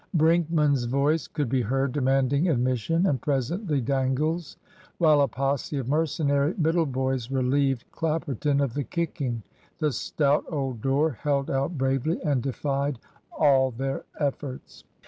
Brinkman's voice could be heard demanding admission, and presently Dangle's; while a posse of mercenary middle boys relieved Clapperton of the kicking. The stout old door held out bravely and defied all their efforts.